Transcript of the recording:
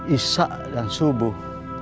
isha dan subuh